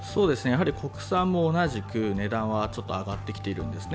国産も同じく値段はちょっと上がってきているんです。